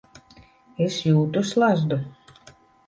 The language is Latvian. Es jūtu slazdu.